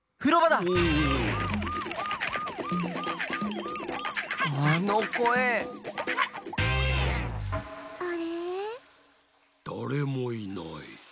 だれもいない。